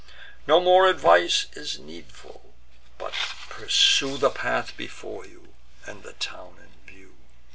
No more advice is needful; but pursue The path before you, and the town in view."